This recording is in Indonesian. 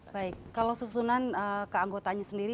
baik kalau susunan keanggotanya sendiri